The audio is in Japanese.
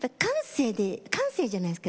感性じゃないですか